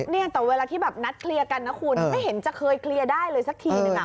เนี่ยแต่เวลาที่แบบนัดเคลียร์กันนะคุณไม่เห็นจะเคยเคลียร์ได้เลยสักทีนึง